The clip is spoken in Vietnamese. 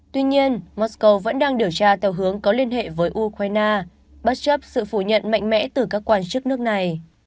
tuy nhiên moscow vẫn đang điều tra theo hướng có liên hệ với ukraine bất chấp sự phủ nhận mạnh mẽ từ các quan chức nước này